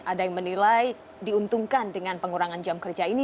ada yang menilai diuntungkan dengan pengurangan jam kerja ini